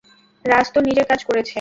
রাজ তো নিজের কাজ করেছে।